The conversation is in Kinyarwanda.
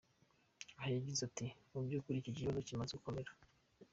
Aha yagize ati: “mu by’ukuri, iki kibazo kimaze gukomera.